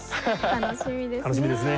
楽しみですね。